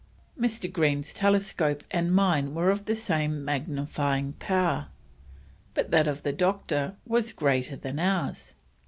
Mr. Green's telescope and mine were of the same magnifying power, but that of the Doctor was greater than ours.